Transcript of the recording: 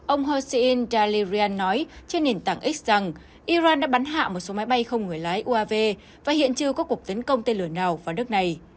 ông hossein dahlirian nói trên nền tảng x rằng iran đã bắn hạ một số máy bay không người lái uav và hiện chưa có cuộc tấn công tên lửa nào vào đất này